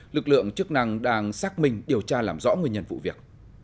lực lượng chức năng đang xác minh điều tra làm rõ nguyên nhân vụ việc